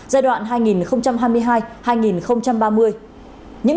giai đoạn hai nghìn hai mươi hai hai nghìn ba mươi